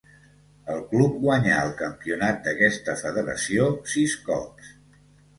El club guanyà el campionat d'aquesta federació sis cops.